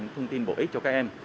những thông tin bổ ích cho các em